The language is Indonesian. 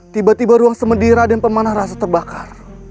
tiba tiba ruang semendira dan pemanah rasa terbakar